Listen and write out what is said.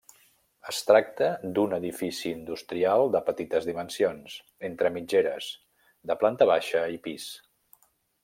Es tracta d'un edifici industrial de petites dimensions, entre mitgeres, de planta baixa i pis.